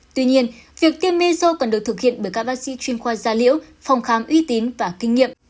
tuy nhiên việc tiêm meso cần được thực hiện bởi các bác sĩ chuyên khoa gia liễu phòng khám uy tín và kinh nghiệm